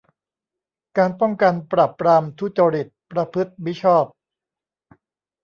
การป้องกัน ปราบปรามการทุจริตประพฤติมิชอบ